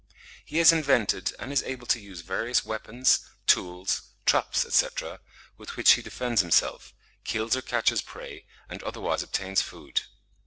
He has invented and is able to use various weapons, tools, traps, etc., with which he defends himself, kills or catches prey, and otherwise obtains food.